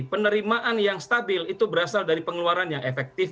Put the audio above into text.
penerimaan yang stabil itu berasal dari pengeluaran yang efektif